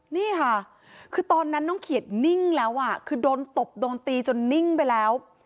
นี่ค่ะคือตอนนั้นน้องเขียดนิ่งแล้วอ่ะคือโดนตบโดนตีจนนิ่งไปแล้ว